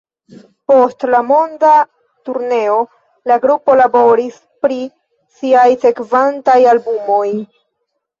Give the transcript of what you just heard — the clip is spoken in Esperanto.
Post la monda turneo, la grupo laboris pri siaj sekvantaj albumoj.